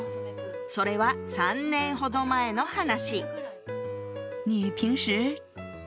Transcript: それは３年ほど前の話。